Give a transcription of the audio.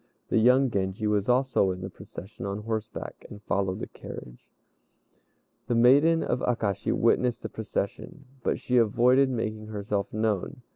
The young Genji was also in the procession on horseback, and followed the carriage. The maiden of Akashi witnessed the procession, but she avoided making herself known.